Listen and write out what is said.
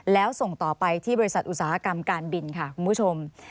แล้วส่งต่อไปที่บริษัทอุตสาหกรรมการบินค่ะคุณผู้ชม